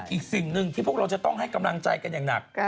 อีกสิ่งหนึ่งที่พวกเราจะต้องให้กำลังใจกันอย่างหนัก